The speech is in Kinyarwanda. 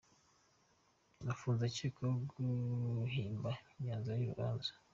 Afunze acyekwaho guhimba imyanzuro y’urubanza